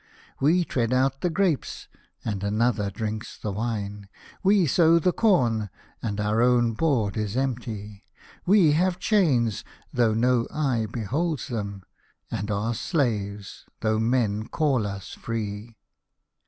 We tread out the grapes, and another drinks the wine. We sow the corn, and our own board is empty. We have chains, though no eye beholds them ; and are slaves, though men call us free."